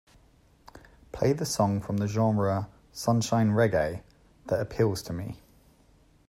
Play the song from the genre Sunshine Reggae that appeals to me.